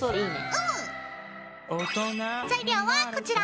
材料はこちら。